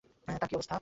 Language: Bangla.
তার কী অবস্থা?